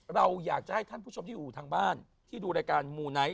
เราอยากจะให้ท่านผู้ชมที่อยู่ทางบ้านที่ดูรายการมูไนท์